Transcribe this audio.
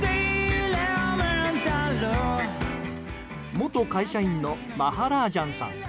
元会社員のマハラージャンさん。